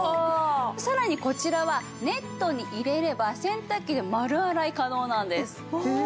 さらにこちらはネットに入れれば洗濯機で丸洗い可能なんです。